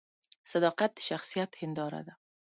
صداقت د شخصیت هنداره ده